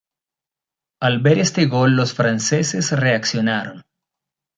Al ver este gol los franceses reaccionaron.